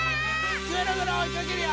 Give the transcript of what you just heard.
ぐるぐるおいかけるよ！